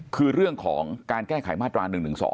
คือเรื่องของการแก้ไขมาตรา๑๑๒